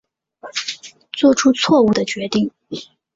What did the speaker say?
做出错误的决定